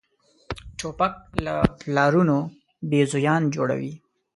توپک له پلارونو بېزویان جوړوي.